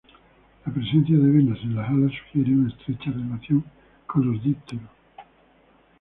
La presencia de venas en las alas sugiere una estrecha relación con los dípteros.